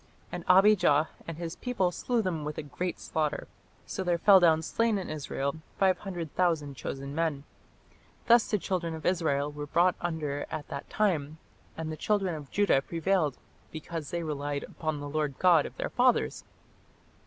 And Abijah and his people slew them with a great slaughter: so there fell down slain in Israel five hundred thousand chosen men. Thus the children of Israel were brought under at that time, and the children of Judah prevailed, because they relied upon the Lord God of their fathers.